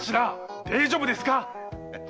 大丈夫ですか？